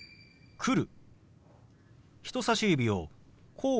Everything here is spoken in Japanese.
「来る」。